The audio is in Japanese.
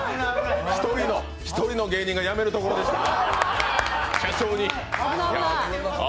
１人の芸人が辞めるところでした。